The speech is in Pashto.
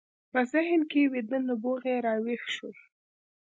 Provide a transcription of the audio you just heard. په ذهن کې ويده نبوغ يې را ويښ شو.